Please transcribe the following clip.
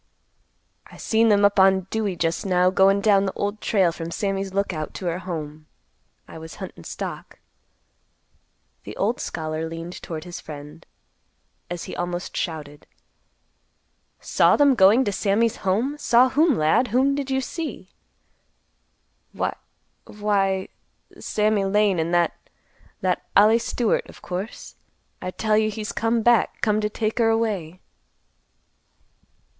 "I seen them up on Dewey just now, goin' down the Old Trail from Sammy's Lookout to her home. I was huntin' stock." The old scholar leaned toward his friend, as he almost shouted, "Saw them going to Sammy's home! Saw whom, lad? Whom did you see?" "Why—why—Sammy Lane and that—that Ollie Stewart, of course. I tell you he's come back. Come to take her away."